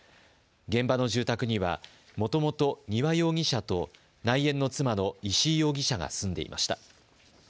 現場の住宅にはもともと丹羽容疑者と内縁の妻の石井容疑者が住んでいました。